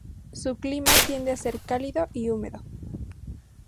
Su clima tiende a ser cálido y húmedo.